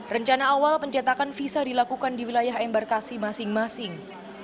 rencana awal pencetakan visa dilakukan di wilayah embarkasi masing masing